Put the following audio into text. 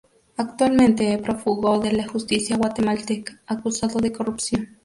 Actualmente prófugo de la justicia guatemalteca acusado de corrupción.